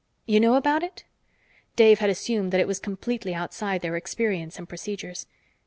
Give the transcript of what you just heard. "You know about it?" Dave had assumed that it was completely outside their experience and procedures.